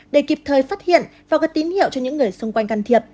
để kịp thời phát hiện và có tín hiệu cho những người xung quanh can thiệp